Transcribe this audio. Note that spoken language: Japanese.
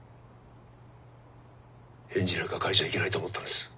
返事なんか書いちゃいけないと思ったんです。